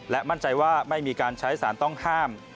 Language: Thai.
มั่นใจว่าไม่มีการใช้สารต้องห้าม